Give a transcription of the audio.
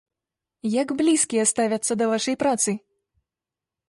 Як блізкія ставяцца да вашай працы?